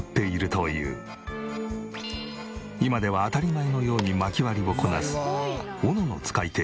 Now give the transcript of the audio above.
今では当たり前のように薪割りをこなす斧の使い手